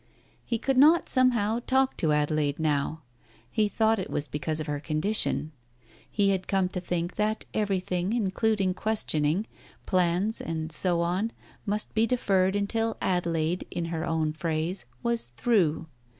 He could not, somehow, talk to Adelaide now; he thought it was because of her condition. He had come to think that everything, including questioning, plans and so on, must be deferred until Adelaide, in her own phrase, was "through."